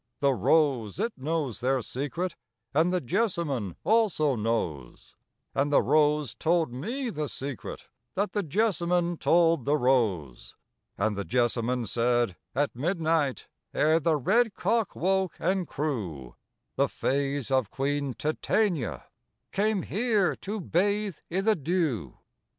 The rose, it knows their secret, And the jessamine also knows: And the rose told me the secret, That the jessamine told the rose. And the jessamine said: At midnight, Ere the red cock woke and crew, The Fays of Queen Titania Came here to bathe i' the dew.